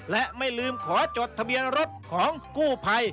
และไม่ลืมขอจดทะเบียนรถของกู้ภัย